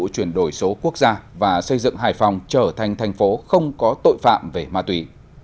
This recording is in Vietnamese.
chuyển đổi số quốc gia và xây dựng hải phòng trở thành thành phố không có tội phạm về ma túy